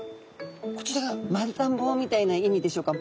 こちらが丸太ん棒みたいな意味でしょうか